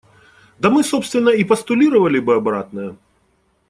Да мы, собственно, и постулировали бы обратное.